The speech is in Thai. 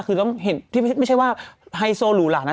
คือต้องเห็นที่ไม่ใช่ว่าไฮโซหรูหลานะ